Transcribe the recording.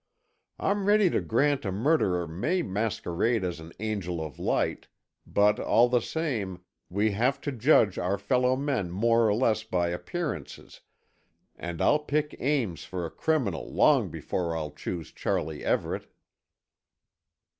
"I'm ready to grant a murderer may masquerade as an angel of light, but all the same, we have to judge our fellow men more or less by appearances, and I'll pick Ames for a criminal long before I'll choose Charlie Everett."